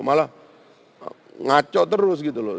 malah ngaco terus gitu loh